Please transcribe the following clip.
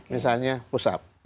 misalnya push up